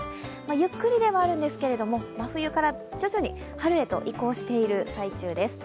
ゆっくりではあるんですけど、真冬から徐々に春へと移行している最中です。